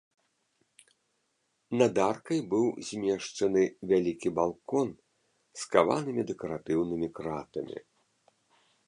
Над аркай быў змешчаны вялікі балкон з каванымі дэкаратыўнымі кратамі.